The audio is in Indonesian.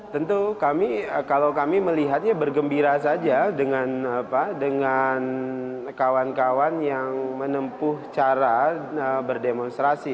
tentu kami kalau kami melihatnya bergembira saja dengan kawan kawan yang menempuh cara berdemonstrasi